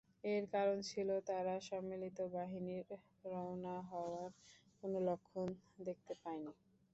এর কারণ ছিল তারা সম্মিলিত বাহিনীর রওনা হওয়ার কোন লক্ষণ দেখতে পায়নি।